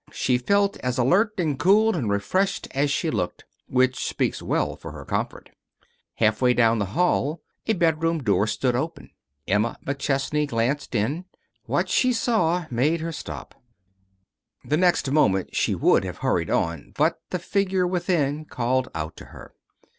She felt as alert, and cool and refreshed as she looked, which speaks well for her comfort. Halfway down the hail a bedroom door stood open. Emma McChesney glanced in. What she saw made her stop. The next moment she would have hurried on, but the figure within called out to her.